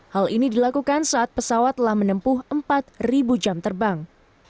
hal ini dilakukan saat pesawat telah menempuh empat jam terbang